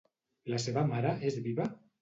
La seva mare és viva?